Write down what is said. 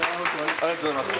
ありがとうございます